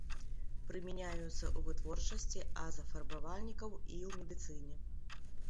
Прымяняюцца ў вытворчасці азафарбавальнікаў і ў медыцыне.